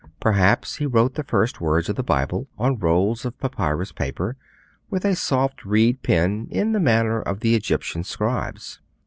Perhaps he wrote the first words of the Bible on rolls of papyrus paper with a soft reed pen, in the manner of the Egyptian scribes.